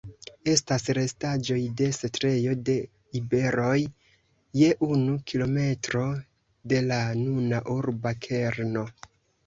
Estas restaĵoj de setlejo de iberoj je unu kilometro de la nuna urba kerno.